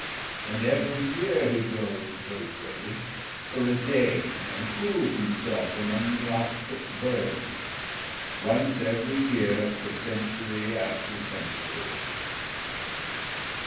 And every year he goes, they say, for a day and cools himself among the Arctic bergs; once every year for century after century.